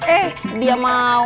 eh dia mau